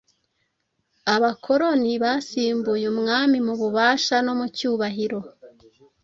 Abakoloni basimbuye umwami mu bubasha no mu cyubahiro.